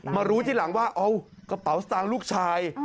มารู้ทีหลังว่าเอากระเป๋าสตางค์ลูกชาย